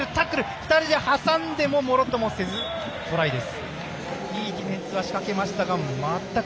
２人で挟んでもものともせずトライです。